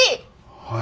はい。